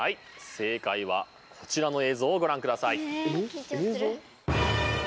正解はこちらの映像をご覧ください。